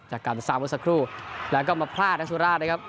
จากกันสามวันสักครู่แล้วก็มาพลาดนะครับสุราชนะครับ